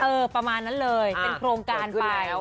ประมาณนั้นเลยเป็นโครงการไป